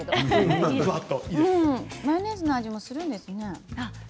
マヨネーズの味もするんですね。